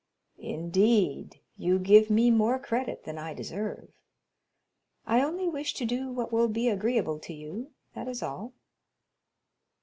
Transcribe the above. "Indeed, you give me more credit than I deserve; I only wish to do what will be agreeable to you, that is all."